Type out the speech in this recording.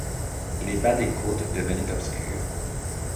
Le bas des côtes devenait obscur.